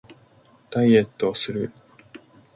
ダイエットをする